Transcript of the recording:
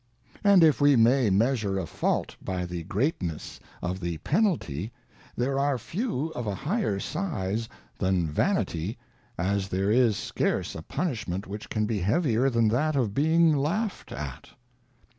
And if we may measure a Fault by the greatness of the Penalty, there are few of a higher size than Vanity, as there is scarce a Punishment which can be heavier than that of being laughed at.